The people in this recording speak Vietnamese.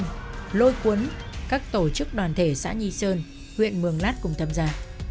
giới quân các tổ chức đoàn thể sát nhi sơn huyện mường lát cùng tham gia